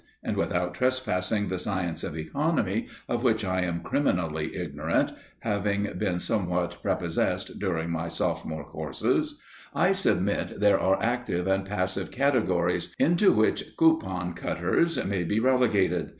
And, without trespassing the science of Economy, of which I am criminally ignorant (having been somewhat prepossessed during my Sophomore courses), I submit there are active and passive categories into which coupon cutters may be relegated.